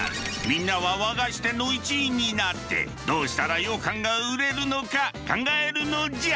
みんなは和菓子店の一員になってどうしたら羊かんが売れるのか考えるのじゃ！